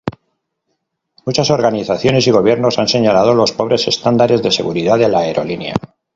Muchas organizaciones y gobiernos han señalado los pobres estándares de seguridad de la aerolínea.